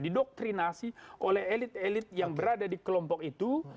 didoktrinasi oleh elit elit yang berada di kelompok itu